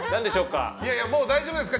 もう大丈夫ですか？